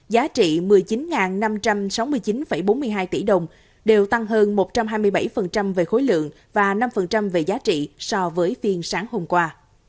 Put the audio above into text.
giá trị một mươi chín năm trăm sáu mươi chín bốn mươi hai tỷ đồng đều tăng hơn một trăm hai mươi bảy về khối lượng và năm về giá trị so với phiên sáng hôm qua